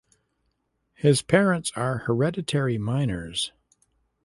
His parents are hereditary miners.